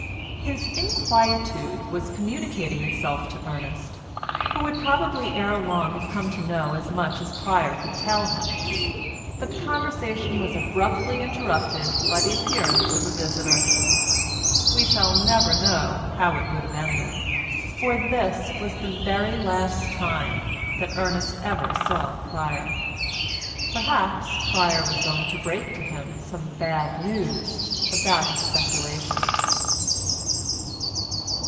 His inquietude was communicating itself to Ernest, who would probably ere long have come to know as much as Pryer could tell him, but the conversation was abruptly interrupted by the appearance of a visitor. We shall never know how it would have ended, for this was the very last time that Ernest ever saw Pryer. Perhaps Pryer was going to break to him some bad news about his speculations.